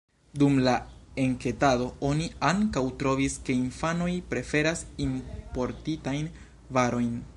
Dum la enketado oni ankaŭ trovis, ke infanoj preferas importitajn varojn.